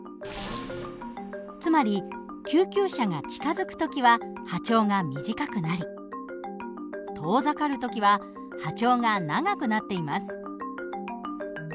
つまり救急車が近づく時は波長が短くなり遠ざかる時は波長が長くなっています。